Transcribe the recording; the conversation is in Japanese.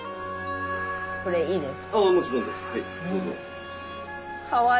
これいいですか？